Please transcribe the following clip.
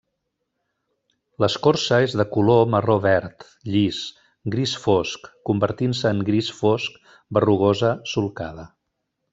L'escorça és de color marró verd, llis, gris fosc, convertint-se en gris fosc, berrugosa, solcada.